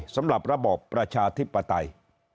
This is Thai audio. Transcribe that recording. สำหรับระบอบประชาธิปไตย